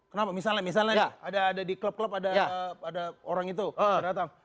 kenapa misalnya ada di klub klub ada orang itu datang